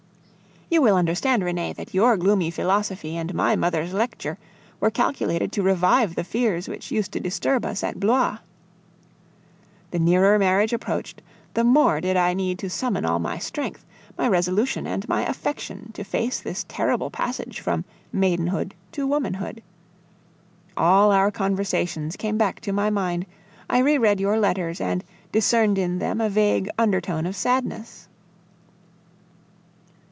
You will understand, Renee, that your gloomy philosophy and my mother's lecture were calculated to revive the fears which used to disturb us at Blois. The nearer marriage approached, the more did I need to summon all my strength, my resolution, and my affection to face this terrible passage from maidenhood to womanhood. All our conversations came back to my mind, I re read your letters and discerned in them a vague undertone of sadness.